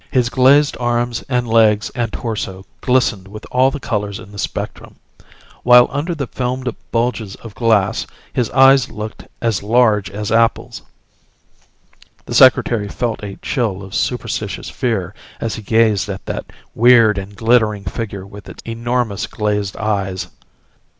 His glazed arms and legs and torso glistened with all the colors in the spectrum; while under the filmed bulges of glass his eyes looked as large as apples. The Secretary felt a chill of superstitious fear as he gazed at that weird and glittering figure with its enormous glazed eyes.